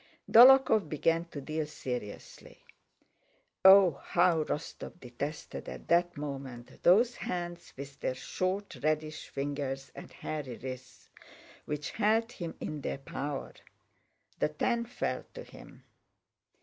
Dólokhov began to deal seriously. Oh, how Rostóv detested at that moment those hands with their short reddish fingers and hairy wrists, which held him in their power.... The ten fell to him.